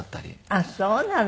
あっそうなの。